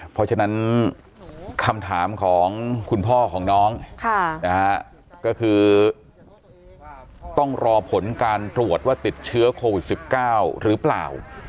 เพราะฉะนั้นคำถามของคุณพ่อของน้องก็คือต้องรอผลการตรวจว่าติดเชื้อโควิด๑๙หรือเปล่า